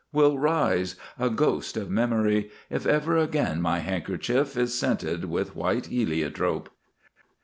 Will rise, a ghost of memory, if Ever again my handkerchief Is scented with White Heliotrope.